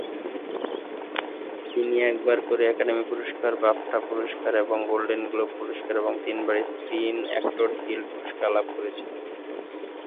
তিনি একবার করে একাডেমি পুরস্কার, বাফটা পুরস্কার এবং গোল্ডেন গ্লোব পুরস্কার এবং তিনবার স্ক্রিন অ্যাক্টরস গিল্ড পুরস্কার লাভ করেছেন।